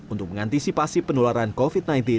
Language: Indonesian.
untuk mengantisipasi penularan covid sembilan belas